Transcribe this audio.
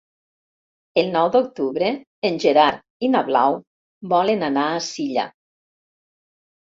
El nou d'octubre en Gerard i na Blau volen anar a Silla.